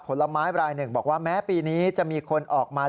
ผลไม้รายหนึ่งบอกว่าแม้ปีนี้จะมีคนออกมา